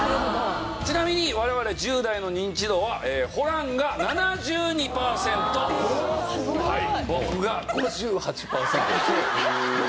ちなみに我々１０代のニンチドはホランが７２パーセント僕が５８パーセントです。